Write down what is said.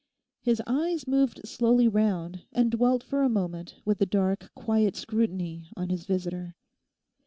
His eyes moved slowly round and dwelt for a moment with a dark, quiet scrutiny on his visitor.